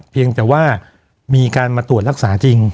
เพียงแต่ว่ามีการมาตรวจรักษาจริง